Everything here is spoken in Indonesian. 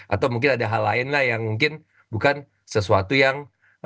atau mungkin ada hal lain lah yang mungkin bukan sesuatu yang